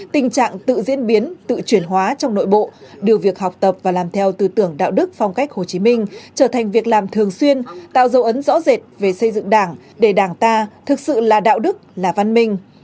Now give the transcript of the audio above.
tình trạng tự diễn biến tự chuyển hóa trong nội bộ đưa việc học tập và làm theo tư tưởng đạo đức phong cách hồ chí minh trở thành việc làm thường xuyên tạo dấu ấn rõ rệt về xây dựng đảng để đảng ta thực sự là đạo đức là văn minh